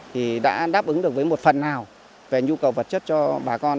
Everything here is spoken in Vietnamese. thì đã đáp ứng được với một phần nào về nhu cầu vật chất cho bà con